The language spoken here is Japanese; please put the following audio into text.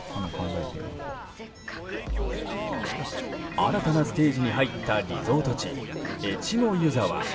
新たなステージに入ったリゾート地、越後湯沢。